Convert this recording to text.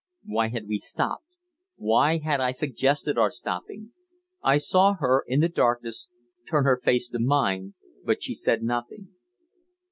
Why had we stopped? Why had I suggested our stopping? I saw her, in the darkness, turn her face to mine, but she said nothing.